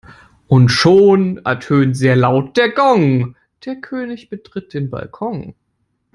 Und schon ertönt sehr laut der Gong, der König betritt den Balkon.